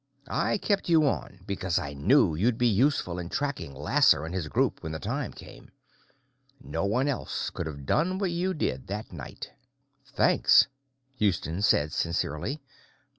"I kept you on because I knew you'd be useful in cracking Lasser and his gang when the time came. No one else could have done what you did that night." "Thanks," Houston said sincerely.